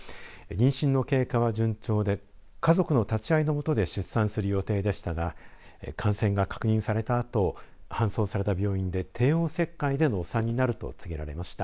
妊娠の経過は順調で家族の立ち会いの下で出産する予定でしたが感染が確認されたあと搬送された病院で帝王切開でのお産になると告げられました。